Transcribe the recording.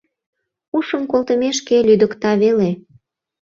Ушым колтымешке лӱдыкта веле...